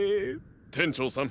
店長さん。